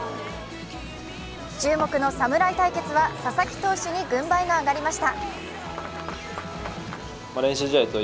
注目の侍対決は佐々木投手に軍配が上がりました。